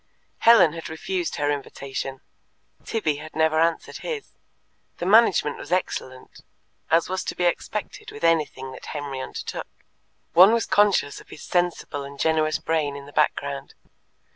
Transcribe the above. Helen had refused her invitation; Tibby had never answered his. The management was excellent, as was to be expected with anything that Henry undertook; one was conscious of his sensible and generous brain in the background.